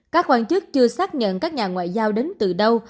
các quan chức chưa xác nhận các nhà ngoại giao đến từ đâu